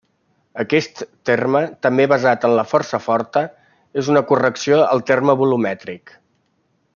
Aquest terme, també basat en la força forta, és una correcció al terme volumètric.